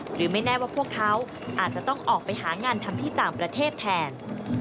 หรือไม่แน่ว่าพวกเขาอาจจะต้องออกไปหางานทำที่ต่างประเทศแทน